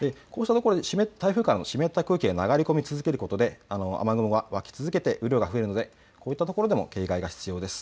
台風からの湿った空気が流れ込み続けることで雨雲が湧き続けて雨量が増えるのでこういったところでも警戒が必要です。